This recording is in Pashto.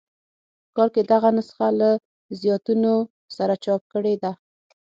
په کال کې دغه نسخه له زیاتونو سره چاپ کړې ده.